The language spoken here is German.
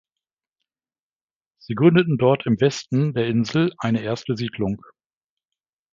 Sie gründeten dort im Westen der Insel eine erste Siedlung.